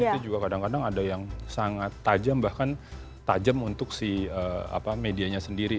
itu juga kadang kadang ada yang sangat tajam bahkan tajam untuk si medianya sendiri